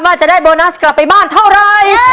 ว่าจะได้โบนัสกลับไปบ้านเท่าไร